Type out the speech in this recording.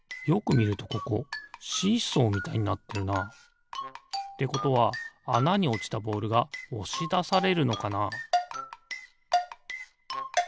よくみるとここシーソーみたいになってるな。ってことはあなにおちたボールがおしだされるのかな？